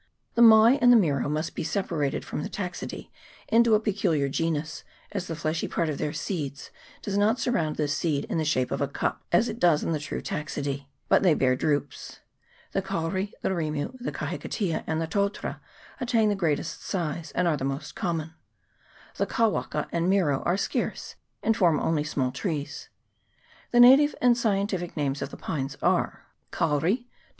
The mai and the miro must be separated from the Taxidese into a peculiar genus, as the fleshy part of their seeds does not surround the seed in the shape of a cup, as it does in the true Taxidese, but they bear drupes. The kauri, the rirnu, the kahikatea, and the totara attain the greatest size, and are the most common ; the kawaka and miro are scarce, and form only small trees. The native and scientific names of the pines are Kauri ...